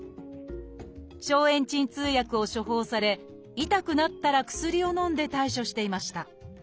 消炎鎮痛薬を処方され痛くなったら薬をのんで対処していました。